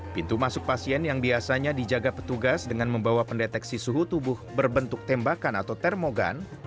pintu masuk pasien yang biasanya dijaga petugas dengan membawa pendeteksi suhu tubuh berbentuk tembakan atau termogan